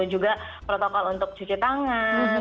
juga protokol untuk cuci tangan